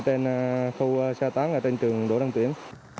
ở trên khu sơ tán là trường trung học đỗ đăng tuyển